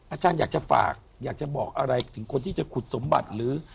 อาจารย์อยากจะฝากอยากจะบอกอะไรถึงคนที่จะขุดสมบัติหรือ